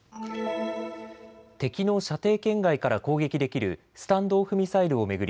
敵の射程圏外から攻撃できるスタンド・オフ・ミサイルを巡り